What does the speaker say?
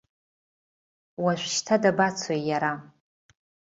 Уажәшьҭа дабацои иара?